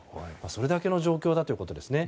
それだけの状況だということですね。